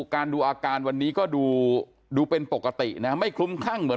ดูอาการวันนี้ก็ดูเป็นปกตินะไม่คลุ้มคลั่งเหมือน